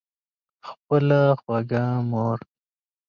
خپله خوږه مور